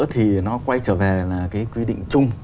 thì nó quay trở về là cái quy định chung